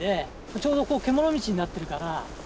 ちょうどここ獣道になってるから。